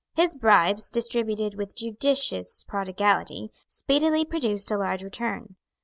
His bribes, distributed with judicious prodigality, speedily produced a large return.